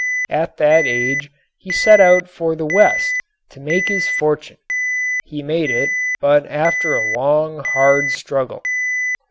At that age he set out for the West to make his fortune. He made it, but after a long, hard struggle.